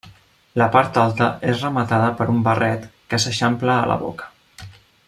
La part alta és rematada per un barret que s'eixampla a la boca.